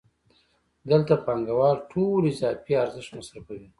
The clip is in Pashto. دلته پانګوال ټول اضافي ارزښت مصرفوي